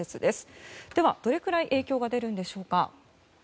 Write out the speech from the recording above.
では、どれくらい影響が出るんでしょうか。